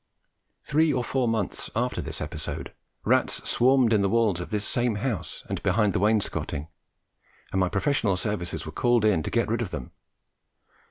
Three or four months after this episode, rats swarmed in the walls of this same house and behind the wainscoting, and my professional services were called in to get rid of them.